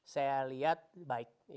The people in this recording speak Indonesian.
saya lihat baik